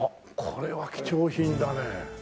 これは貴重品だね。